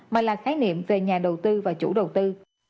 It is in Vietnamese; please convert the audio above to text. mà là khái niệm về nhà đầu tư và chủ đầu tư